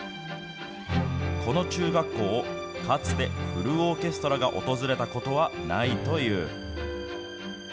この中学校を、かつてフルオーケストラが訪れたことはないという。